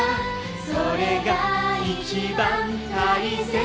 「それが一番大切なんだ」